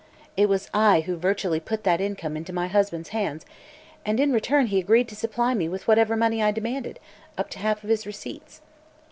It was I who virtually put that income into my husband's hands, and in return he agreed to supply me with whatever money I demanded, up to a half of his receipts.